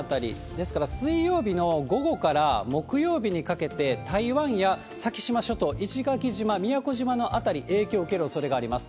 ですから水曜日の午後から木曜日にかけて、台湾や先島諸島、石垣島、宮古島の辺り、影響受けるおそれがあります。